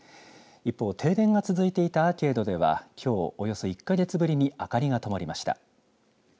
一方、停電が続いていたアーケードではきょう、およそ１か月ぶりに明かりがともりました。